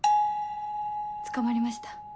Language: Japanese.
捕まりました。